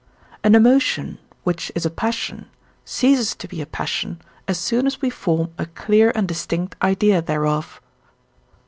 An emotion, which is a passion, ceases to be a passion, as soon as we form a clear and distinct idea thereof.